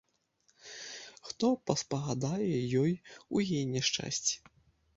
Хто паспагадае ёй у яе няшчасці?